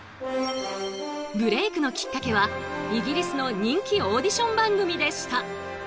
ブレークのきっかけはイギリスの人気オーディション番組でした。